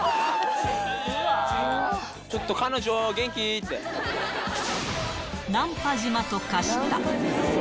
ちょっと彼女、ナンパ島と化した。